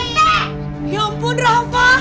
ya ampun rafa